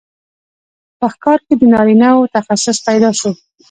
په ښکار کې د نارینه وو تخصص پیدا شو.